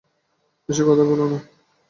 বেশি কথা বলো না।